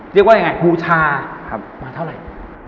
เรียกว่ายังไงบูชามาเท่าไหร่